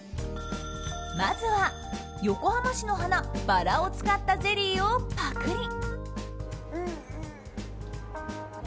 まずは横浜市の花バラを使ったゼリーをぱくり。